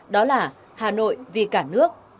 đó là hà nội vì cả nước